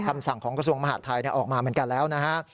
คำสั่งของกระทรวงมหาดไทยออกมาเหมือนกันแล้วนะฮะ